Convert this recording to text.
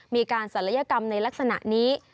ศัลยกรรมในลักษณะนี้